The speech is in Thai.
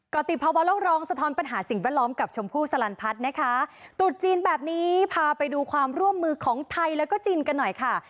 ก็ติดภาวะโลกร้องสะท้อนปัญหาสิ่งแวดล้อมกับชมพู่สลันพัฒน์นะคะตรุษจีนแบบนี้พาไปดูความร่วมมือของไทยแล้วก็จีนกันหน่อยค่ะ